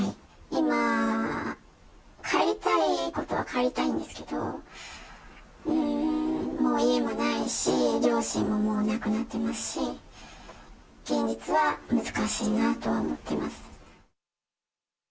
今、帰りたいことは帰りたいんですけど、もう家もないし、両親ももう亡くなってますし、現実は難しいなとは思っています。